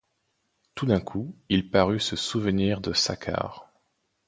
Tout d'un coup, il parut se souvenir de Saccard.